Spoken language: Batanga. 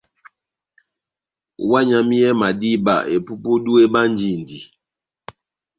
Ohányamiyɛhɛ madíba, epupudu ebánjindi.